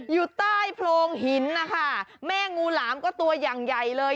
อยู่ใต้โพรงหินนะคะแม่งูหลามก็ตัวอย่างใหญ่เลย